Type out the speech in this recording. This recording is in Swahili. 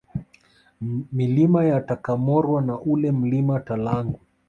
Milima ya Takamorwa na ule Mlima Talagwe